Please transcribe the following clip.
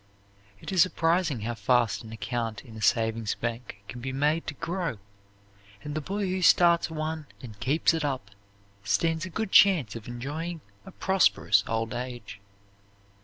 It is surprising how fast an account in a savings bank can be made to grow, and the boy who starts one and keeps it up stands a good chance of enjoying a prosperous old age.